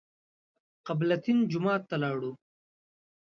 قبله تین جومات ته لاړو.